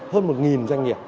hơn một doanh nghiệp